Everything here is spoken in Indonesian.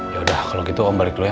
yaudah kalo gitu om balik dulu ya